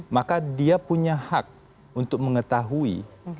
maka dia punya hak untuk mengetahui